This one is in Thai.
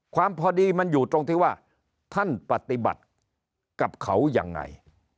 พอดีมันอยู่ตรงที่ว่าท่านปฏิบัติกับเขายังไง